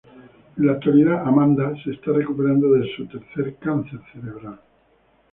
En la actualidad, Amanda se está recuperando de su tercer cáncer cerebral.